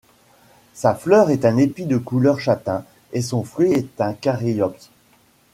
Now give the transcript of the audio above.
Sa fleur est un épi de couleur châtain et son fruit est un caryopse.